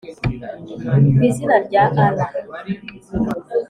ku izina rya allah